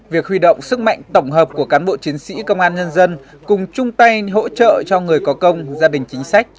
việc huy động sức mạnh tổng hợp của cán bộ chiến sĩ công an nhân dân cùng chung tay hỗ trợ cho người có công gia đình chính sách